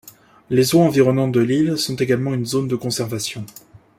Les eaux environnantes de l'île sont également une zone de conservation.